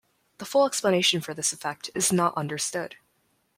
The full explanation for this effect is not understood.